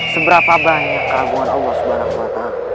seberapa banyak keraguan allah swt